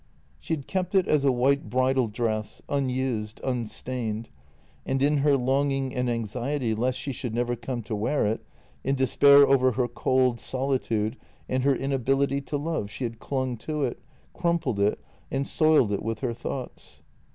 She had kept it as a white bridal dress, unused, unstained, and in her longing and anxiety lest she should never come to wear it, in despair over her cold solitude and her inability to love, she had clung to it, crumpled it, and soiled it with her thoughts.